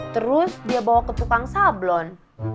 terus dia bawa ke tukang sablon